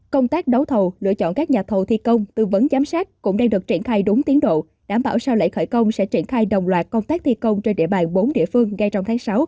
công tác đấu thầu lựa chọn các nhà thầu thi công tư vấn giám sát cũng đang được triển khai đúng tiến độ đảm bảo sau lễ khởi công sẽ triển khai đồng loạt công tác thi công trên địa bàn bốn địa phương ngay trong tháng sáu